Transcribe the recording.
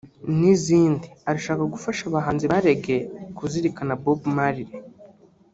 n’izindi arashaka gufasha abahanzi ba Reggae kuzirikana Bob Marley